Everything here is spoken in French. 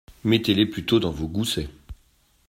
Mettez-les plutôt dans vos goussets.